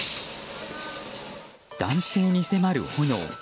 男性に迫る炎。